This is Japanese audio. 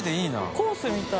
コースみたい。